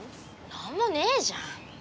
なんもねえじゃん。